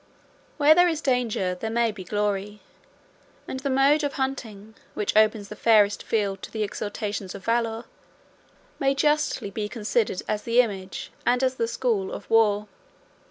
Where there is danger, there may be glory; and the mode of hunting, which opens the fairest field to the exertions of valor, may justly be considered as the image, and as the school, of war.